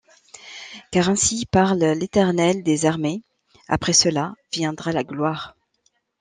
Car ainsi parle l'Éternel des armées: Après cela, viendra la gloire!